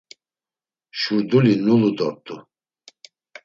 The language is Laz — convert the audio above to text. Şurduli nulu dort̆u.